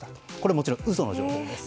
もちろん嘘の情報です。